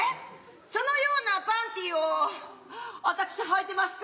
そのようなパンティーを私はいてますか？